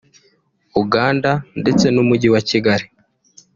Uganda ndetse n’umujyi wa Kigali